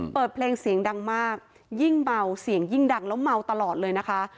เปิดเพลงเสียงดังมากยิ่งเมาเสียงยิ่งดังแล้วเมาตลอดเลยนะคะ